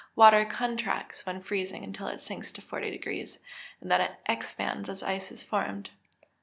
Water contracts when freezing until it sinks to 40 deg., and then it expands as ice is formed.